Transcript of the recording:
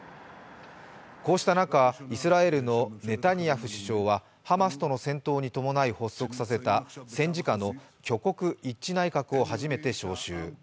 こうした中、イスラエルのネタニヤフ首相はハマスとの戦闘に伴い発足させた戦時下の挙国一致内閣を初めて招集。